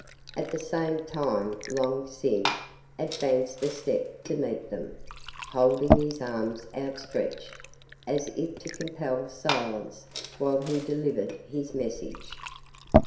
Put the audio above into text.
At the same time Long Sin advanced a step to meet them, holding his arms outstretched as if to compel silence while he delivered his message.